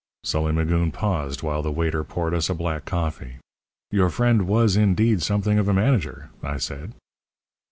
Sully Magoon paused while the waiter poured us a black coffee. "Your friend was, indeed, something of a manager," I said.